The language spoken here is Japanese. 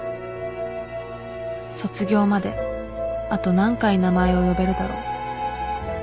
卒業まであと何回名前を呼べるだろう